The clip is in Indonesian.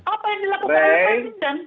apa yang dilakukan oleh pak presiden